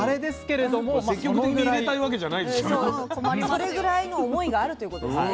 それぐらいの思いがあるということですね。